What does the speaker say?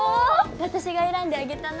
私が選んであげたの。